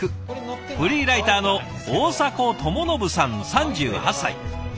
フリーライターの大迫知信さん３８歳。